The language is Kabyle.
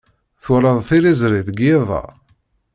Twalaḍ tiliẓri deg yiḍ-a?